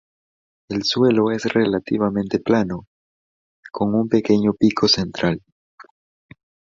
El suelo es relativamente plano, con un pequeño pico central.